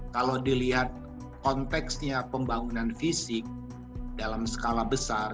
kalau dilihat konteksnya pembangunan fisik dalam skala besar